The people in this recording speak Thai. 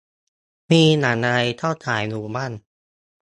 มีหนังอะไรเข้าฉายอยู่บ้าง